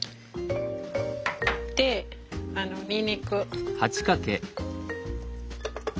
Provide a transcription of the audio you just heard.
でにんにく。